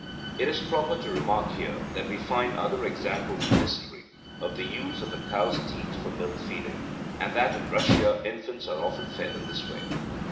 It is proper to remark here that we find other examples in history of the use of a cow's teat for milk feeding, and that in Russia infants are often fed in this way.